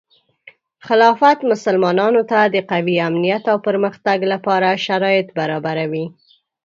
خلافت مسلمانانو ته د قوي امنیت او پرمختګ لپاره شرایط برابروي.